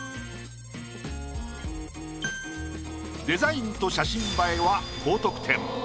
デザインと写真映えは高得点。